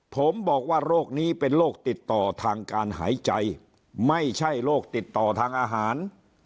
ผมบอกว่าโรคนี้เป็นโรคติดต่อทางการหายใจไม่ใช่โรคติดต่อทางอาหาร